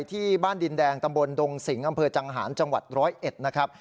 ที่บ้านดินแดงตำบลดงสิงห์อำเภอจังหารจังหวัด๑๐๑นะครับ